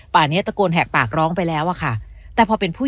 ป่านี้ตะโกนแหกปากร้องไปแล้วอะค่ะแต่พอเป็นผู้